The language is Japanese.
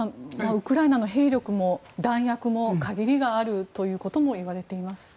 ウクライナの兵力も弾薬も限りがあるということもいわれています。